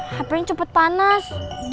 hape nya cepet panas